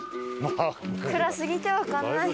暗すぎてわかんない。